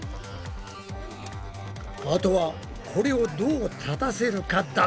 あとはこれをどう立たせるかだったな。